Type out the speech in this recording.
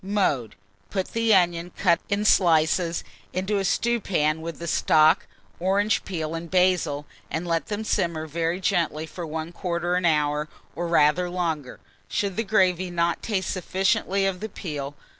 Mode. Put the onion, cut in slices, into a stewpan with the stock, orange peel, and basil, and let them simmer very gently for 1/4 hour or rather longer, should the gravy not taste sufficiently of the peel.